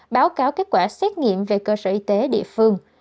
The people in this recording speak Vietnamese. báo cáo kết quả xét nghiệm về cơ sở y tế địa phương